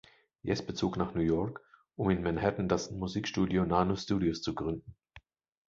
Jesper zog nach New York, um in Manhattan das Musikstudio "Nano Studios" zu gründen.